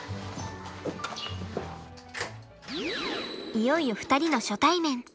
いよいよ２人の初対面。